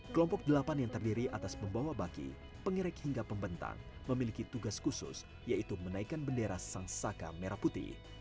kelompok delapan yang terdiri atas pembawa baki pengerek hingga pembentang memiliki tugas khusus yaitu menaikkan bendera sang saka merah putih